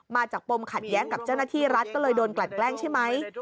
ปมขัดแย้งกับเจ้าหน้าที่รัฐก็เลยโดนกลั่นแกล้งใช่ไหม